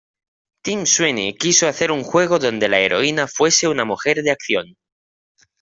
Tim Sweeney quiso hacer un juego donde la heroína fuese una mujer de acción.